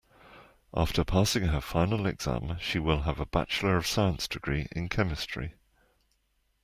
After passing her final exam she will have a bachelor of science degree in chemistry.